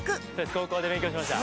高校で勉強しました」